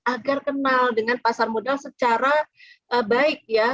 agar kenal dengan pasar modal secara baik ya